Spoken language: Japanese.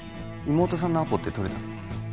妹さんのアポって取れたの？